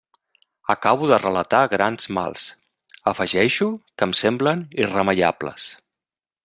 Acabo de relatar grans mals; afegeixo que em semblen irremeiables.